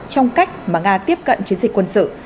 trong cách mà nga tiếp cận chiến dịch quân sự